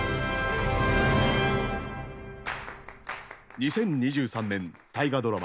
２０２３年大河ドラマ